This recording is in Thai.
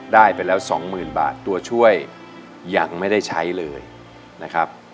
ได้ไปแล้วสองหมื่นบาทตัวช่วยยังไม่ได้ใช้เลยนะครับ